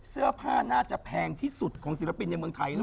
เสื้อผ้าน่าจะแพงที่สุดของศิลปินในเมืองไทย